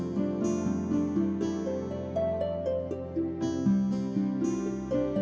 kamu sudah tahu ya pak